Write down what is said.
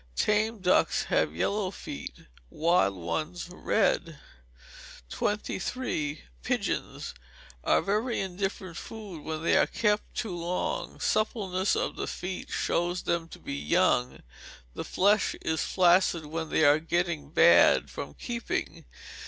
Tame ducks have yellow feet, wild ones red. 23. Pigeons are very indifferent food when they are kept too long. Suppleness of the feet shows them to be young; the flesh is flaccid when they are getting bad from keeping.